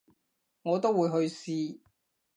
我都會去試